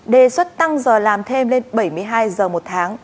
đề xuất tăng giờ làm thêm lên bảy mươi hai giờ một tháng